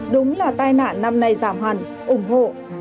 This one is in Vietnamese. đúng là tai nạn năm nay giảm hẳn ủng hộ